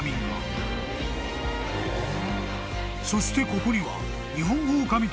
［そしてここには］